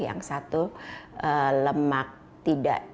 yang satu lemak tidak